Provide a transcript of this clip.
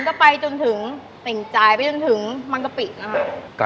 ก็ไปจนถึงเป่งจ่ายไปจนถึงบางกะปินะคะ